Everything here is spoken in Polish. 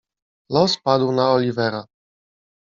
"Los padł na Oliwera."